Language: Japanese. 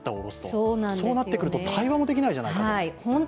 そうなってくると対話もできないじゃないかと。